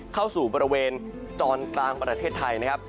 เข้าสู่บริเวณตอนกลางประเทศไทยนะครับ